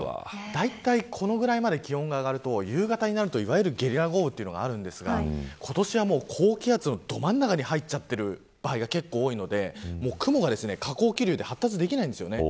だいたいこのぐらいまで気温が上がると夕方になると、ゲリラ豪雨というのがあるんですが今年は高気圧のど真ん中に入っている場合が結構多いので雲が下降気流で発達できないんです。